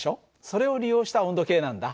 それを利用した温度計なんだ。